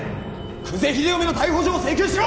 久瀬秀臣の逮捕状を請求しろ！